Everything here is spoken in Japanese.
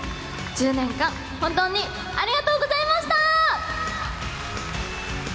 １０年間本当にありがとうございました！